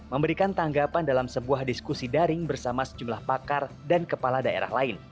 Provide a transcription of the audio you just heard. memberikan tanggapan dalam sebuah diskusi daring bersama sejumlah pakar dan kepala daerah lain